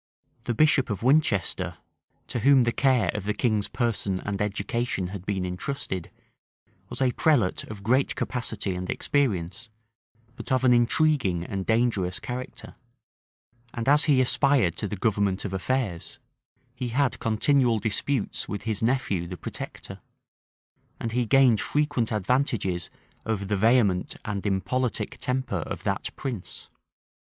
[] The bishop of Winchester, to whom the care of the king's person and education had been intrusted, was a prelate of great capacity and experience, but of an intriguing and dangerous character; and as he aspired to the government of affairs, he had continual disputes with his nephew the protector; and he gained frequent advantages over the vehement and impolitic temper of that prince.